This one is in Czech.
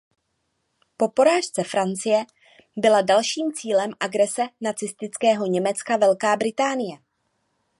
Po porážce Francie byla dalším cílem agrese nacistického Německa Velká Británie.